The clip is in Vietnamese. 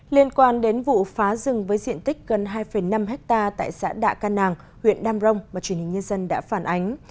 liên quan đến vụ phá rừng với diện tích gần hai năm hectare tại xã đạ căn nàng huyện đam rông mà truyền hình nhân dân đã phản ánh